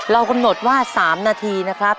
กำหนดว่า๓นาทีนะครับ